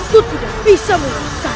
aku tidak bisa melaksanakan